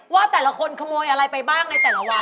ว่าแต่ละคนขโมยอะไรไปบ้างในแต่ละวัน